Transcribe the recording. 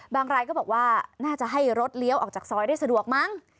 รายก็บอกว่าน่าจะให้รถเลี้ยวออกจากซอยได้สะดวกมั้ง